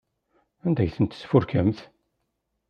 Anda ay tent-tesfurkemt?